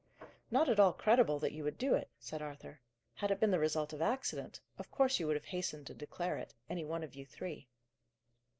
"Not at all credible that you would do it," said Arthur. "Had it been the result of accident, of course you would have hastened to declare it, any one of you three."